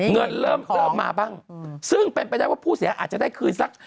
เงินเริ่มเติมมาบ้างซึ่งเป็นไปได้ว่าผู้เสียอาจจะได้คืนสัก